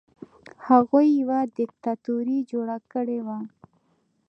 هغوی یوه دیکتاتوري جوړه کړې وه.